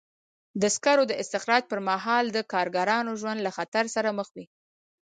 د سکرو د استخراج پر مهال د کارګرانو ژوند له خطر سره مخ وي.